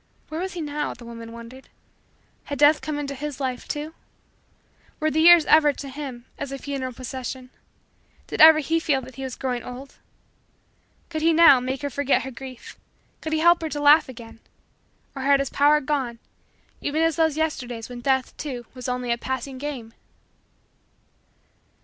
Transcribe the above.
Where was he now? The woman wondered. Had Death come into his life, too? Were the years ever, to him, as a funeral procession? Did ever he feel that he was growing old? Could he, now, make her forget her grief could he help her to laugh again or had his power gone even as those Yesterdays when Death, too, was only a pleasing game?